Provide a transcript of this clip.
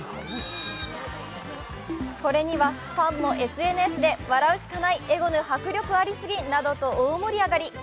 これにはファンもＳＮＳで、笑うしかない、エゴヌ迫力ありすぎなどと大盛り上がり。